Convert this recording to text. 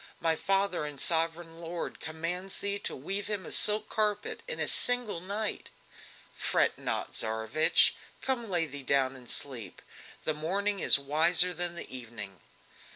My father and sovereign lord commands thee to weave him a silk carpet in a single night!" "Fret not, Tsarevich! come, lay thee down and sleep. The morning is wiser than the evening!"